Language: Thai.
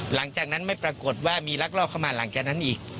หลังจากนั้นไม่ปรากฏว่ามีลักลอกเข้ามาหลังจากนั้นอีก